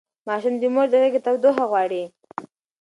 ماشومان د مور د غېږې تودوخه غواړي.